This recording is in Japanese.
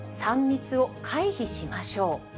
３密を回避しましょう。